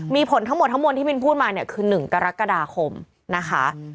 มีผลทั้งหมดทั้งมวลที่มินพูดมาเนี่ยคือ๑กรกฎาคมนะคะ